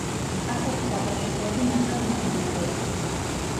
კახეთის აბაშიძეები მათგან მომდინარეობენ.